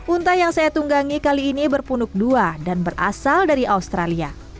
unta yang saya tunggangi kali ini berpunuk dua dan berasal dari australia